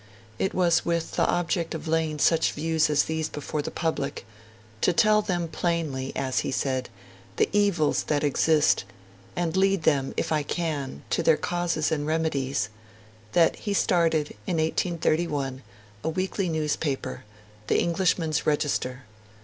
It was with the object of laying such views as these before the public 'to tell them plainly', as he said, 'the evils that exist, and lead them, if I can, to their causes and remedies' that he started, in 1831, a weekly newspaper, "The Englishman's Register".